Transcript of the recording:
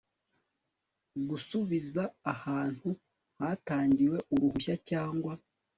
gusubiza ahantu hatangiwe uruhushya cyangwa